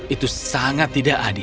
itu sangat tidak adil